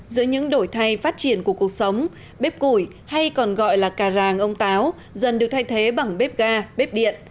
giữa những đổi thay phát triển của cuộc sống bếp củi hay còn gọi là cà ràng ông táo dần được thay thế bằng bếp ga bếp điện